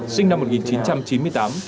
sinh năm một nghìn chín trăm chín mươi tám